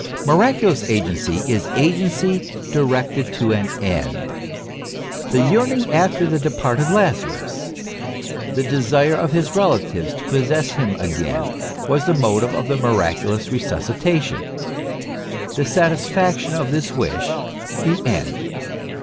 Miraculous agency, is agency directed to an end. The yearning after the departed Lazarus, the desire of his relatives to possess him again, was the motive of the miraculous resus citation; the satisfaction of this wish, the end.